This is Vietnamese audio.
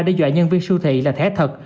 đe dọa nhân viên siêu thị là thẻ thật